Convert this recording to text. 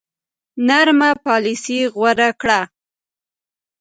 نرمه پالیسي غوره کړه.